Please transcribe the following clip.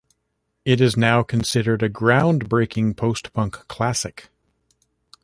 It is now considered a groundbreaking post-punk classic.